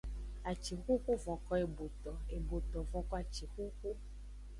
Acixuxu vonko eboto, eboto vonko acixuxu.